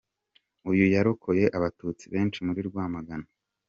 Uyu yarokoye Abatutsi benshi muri Rwamagana.